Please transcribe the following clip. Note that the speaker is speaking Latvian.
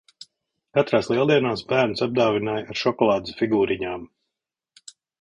Katrās Lieldienās bērnus apdāvināja ar šokolādes figūriņām.